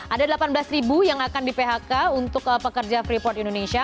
ada delapan belas ribu yang akan di phk untuk pekerja freeport indonesia